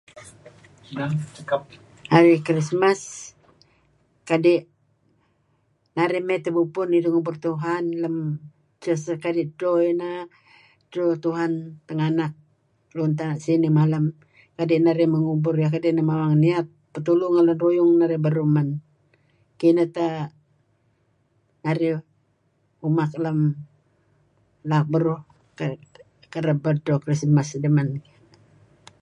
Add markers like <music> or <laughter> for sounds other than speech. <unintelligible> Hari Krismas kadi' narih mey tebubpun idih ngubur Tuhan lem <unintelligible> edto inah edto Tunah tinganak luun tana' sinih malem kadi' neh narih mey ngubur iyah mawang niyat petulu ngan lun ruyung narih men. kinah teh narih umak lem laak beruh kayu' kereb edto Kristmas dih men .